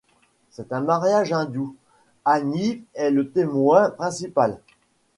Dans un mariage hindou, Agni est le témoin principal.